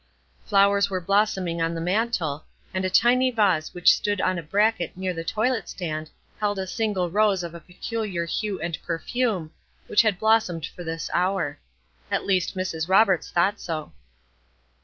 Flowers were blossoming on the mantel, and a tiny vase which stood on a bracket near the toilet stand held a single rose of a peculiar hue and perfume, which had blossomed for this hour. At least, Mrs. Roberts thought so.